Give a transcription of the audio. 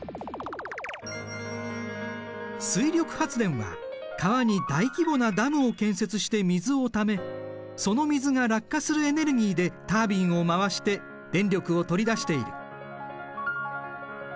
水力発電は川に大規模なダムを建設して水をためその水が落下するエネルギーでタービンを回して電力を取り出している。